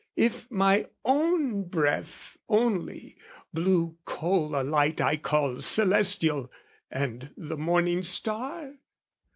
If my own breath, only, blew coal alight I called celestial and the morning star?